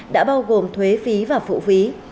đã bao gồm thuế phí và phụ phí